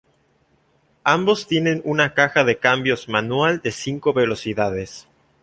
Ambos tienen una caja de cambios manual de cinco velocidades.